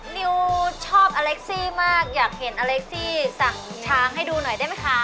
นิวชอบอเล็กซี่มากอยากเห็นอเล็กซี่สั่งช้างให้ดูหน่อยได้ไหมคะ